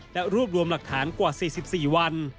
และรวบรวมหลักฐานกว่า๔๔วัน